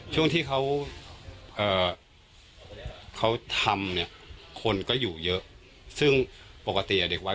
ช่วงที่เขาเอ่อเขาทำเนี่ยคนก็อยู่เยอะซึ่งปกติอย่างเด็กไว้